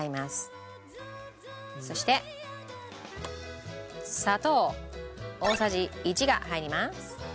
そして砂糖大さじ１が入ります。